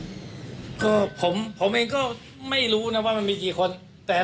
กี่คนครับก็ผมผมเองก็ไม่รู้นะว่ามันมีกี่คนแต่